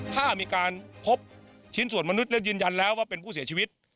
ถ้ามีการพบชิ้นส่วนมนุษย์และยืนยันแล้วว่าเป็นผู้เสียชีวิต